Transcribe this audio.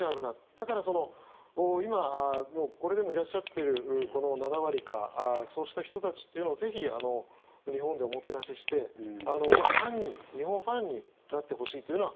だから、今これでもいらっしゃっている７割とかそうした人たちを日本でおもてなしして日本ファンになってほしいという。